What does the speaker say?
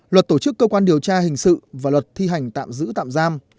luật tổ chức cơ quan điều tra hình sự và luật thi hành tạm giữ tạm giam